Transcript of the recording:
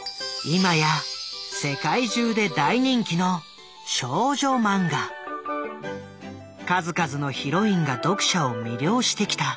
今や世界中で大人気の数々のヒロインが読者を魅了してきた。